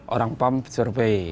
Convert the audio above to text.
orang pam survei